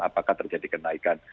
apakah terjadi kenaikan